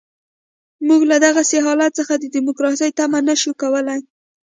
موږ له دغسې حالت څخه د ډیموکراسۍ تمه نه شو کولای.